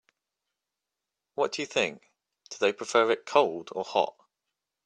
What do you think, do they prefer it cold or hot?